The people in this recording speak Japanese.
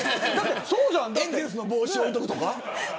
エンゼルスの帽子置いとくとか。